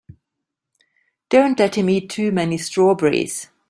Don't let him eat too many strawberries.